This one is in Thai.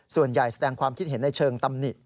ส่วนใหญ่แสดงความคิดเห็นในเชิงตำนิ